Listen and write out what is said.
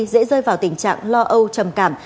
dễ rơi vào tình trạng lo âu trầm cảm